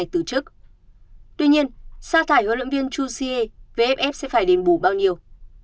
tuy nhiên xa thải huấn luyện viên chu xie vff sẽ phải đền bù bao nhiêu